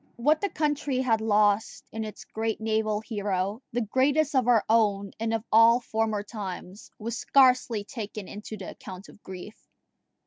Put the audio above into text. What the country had lost in its great naval hero the greatest of our own and of all former times was scarcely taken into the account of grief.